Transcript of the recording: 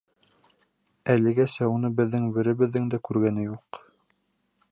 Әлегәсә уны беҙҙең беребеҙҙең дә күргәне юҡ.